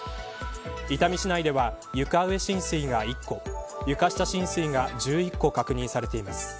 伊丹市内では床上浸水が１戸床下浸水が１１戸確認されています。